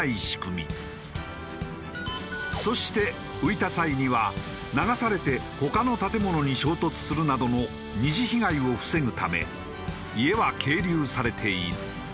そして浮いた際には流されて他の建物に衝突するなどの二次被害を防ぐため家は係留されている。